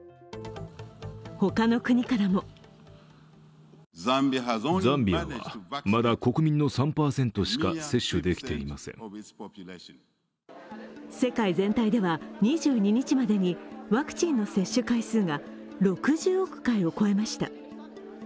他の国からも世界全体では２２日までにワクチンの接種回数が６０億回を超えました。